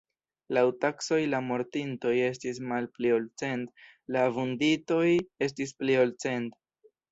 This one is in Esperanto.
Laŭ taksoj la mortintoj estis malpli ol cent, la vunditoj estis pli ol cent.